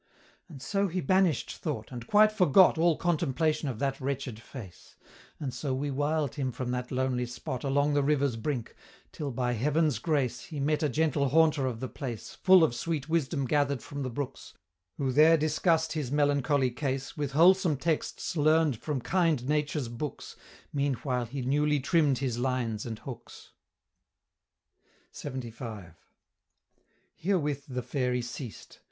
"And so he banish'd thought, and quite forgot All contemplation of that wretched face; And so we wiled him from that lonely spot Along the river's brink; till, by heaven's grace, He met a gentle haunter of the place, Full of sweet wisdom gather'd from the brooks, Who there discuss'd his melancholy case With wholesome texts learned from kind nature's books, Meanwhile he newly trimm'd his lines and hooks." LXXV. Herewith the Fairy ceased.